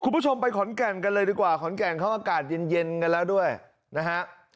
คุณผู้ชมไปขอนแก่นกันเลยดีกว่าขอนแก่นเขาอากาศเย็นเย็นกันแล้วด้วยนะฮะ